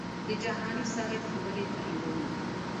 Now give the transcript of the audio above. د جهاني صاحب خبرې تاییدوي.